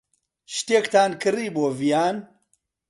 شتێکتان کڕی بۆ ڤیان.